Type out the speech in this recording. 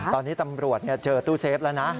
ตอนนี้ตำรวจเจอตู้เซฟแล้วนะ